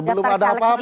ya belum ada apa apa